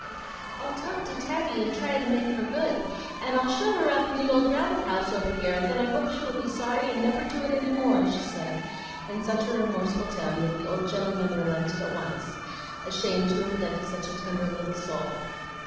"I'll talk to Tabby and try to make her good, and I'll shut her up in the old rabbit house over here; then I hope she will be sorry and never do it any more," she said, in such a remorseful tone that the old gentleman relented at once, ashamed to afflict such a tender little soul.